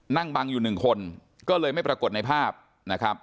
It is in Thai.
นั่งบังอยู่หนึ่งคนก็เลยไม่ปรากฏในภาพนะครับ